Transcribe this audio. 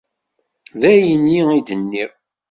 D ayenni i d-nniɣ.